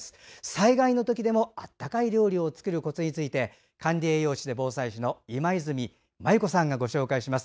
災害の時でも温かい料理を作るコツについて管理栄養士で防災士の今泉マユ子さんがご紹介します。